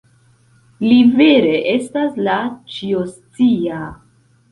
Li vere estas la Ĉio-Scia.